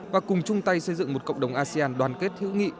và cùng chung tay xây dựng một cộng đồng asean đoàn kết hữu nghị